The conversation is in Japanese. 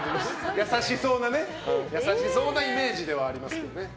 優しそうなイメージではありますけどね。